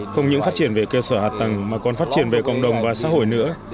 không những phát triển về cơ sở hạ tầng mà còn phát triển về cộng đồng và xã hội nữa